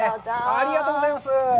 ありがとうございます。